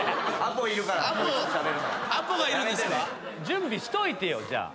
準備しといてよじゃあ。